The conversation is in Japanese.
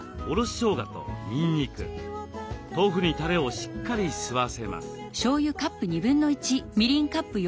豆腐にたれをしっかり吸わせます。